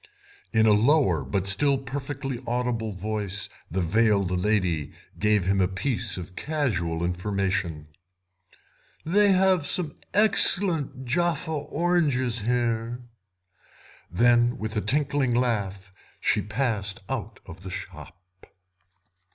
In a lower, but still perfectly audible, voice the veiled lady gave him a piece of casual information. "They have some excellent Jaffa oranges here." Then with a tinkling laugh she passed out of the shop.